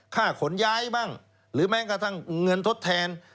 ขนย้ายบ้างหรือแม้กระทั่งเงินทดแทน